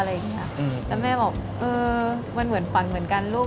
แล้วแม่บอกเออมันเหมือนฝันเหมือนกันลูก